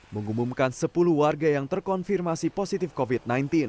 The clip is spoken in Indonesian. mengumumkan sepuluh warga yang terkonfirmasi positif covid sembilan belas